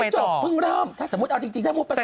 มันไม่จบเพิ่งเริ่มถ้าสมมุติเอาจริงได้พูดประสาท